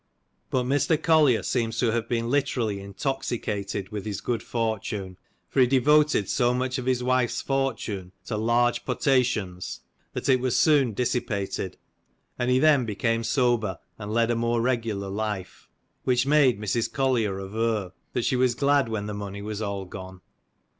But Mr. Collier seems to have been literally intoxicated with his good fortune, for he devoted so much of his wife's fortune to " large potations," that it was soon dissipated, and he then became sober and led a more regular life; which made Mrs. Collier aver, that she was glad when the money was all gone.